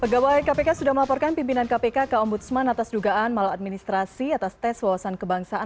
pegawai kpk sudah melaporkan pimpinan kpk kaom butsman atas dugaan malu administrasi atas tes wawasan kebangsaan